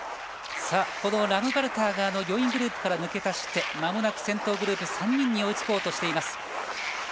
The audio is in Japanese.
ラムパルターが４位グループから抜け出してまもなく先頭グループの３人に追いつこうとしている。